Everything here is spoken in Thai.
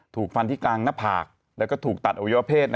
ถูกฟันที่กลางหน้าผากแล้วก็ถูกตัดอวัยวะเพศ